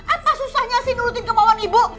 apa susahnya sih nurutin kemauan ibu